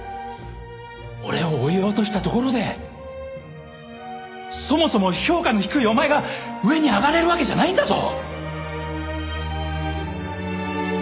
俺を追い落としたところでそもそも評価の低いお前が上に上がれるわけじゃないんだぞ。